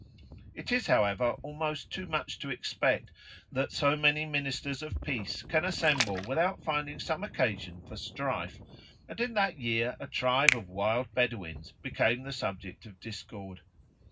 It is, however, almost too much to expect that so many ministers of peace can assemble without finding some occasion for strife, and in that year a tribe of wild Bedouins became the subject of discord.